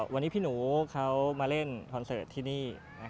วันนี้พี่หนูเขามาเล่นคอนเสิร์ตที่นี่